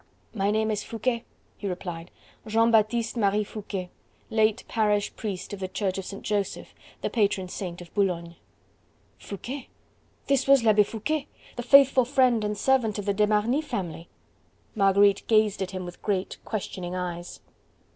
"My name is Foucquet," he replied, "Jean Baptiste Marie Foucquet, late parish priest of the Church of Saint Joseph, the patron saint of Boulogne." Foucquet! This was l'Abbe Foucquet! the faithful friend and servant of the de Marny family. Marguerite gazed at him with great, questioning eyes.